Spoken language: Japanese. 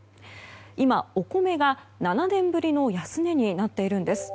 今、お米が７年ぶりの安値になっているんです。